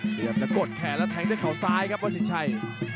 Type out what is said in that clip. พยายามจะกดแขนแล้วแทงด้วยเขาซ้ายครับวัดสินชัย